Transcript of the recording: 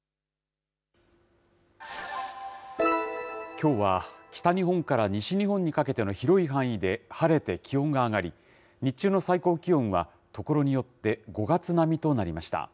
きょうは、北日本から西日本にかけての広い範囲で晴れて気温が上がり、日中の最高気温は、所によって５月並みとなりました。